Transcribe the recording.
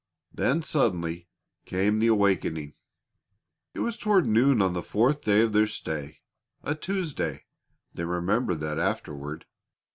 Then, suddenly, came the awakening. It was toward noon on the fourth day of their stay a Tuesday; they remembered that afterward.